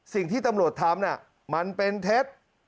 สิ่งที่ตำรวจทำมันเป็นเท็จ